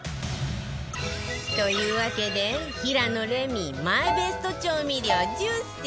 というわけで平野レミマイベスト調味料１０選